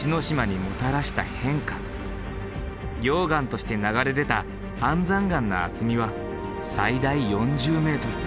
溶岩として流れ出た安山岩の厚みは最大４０ｍ。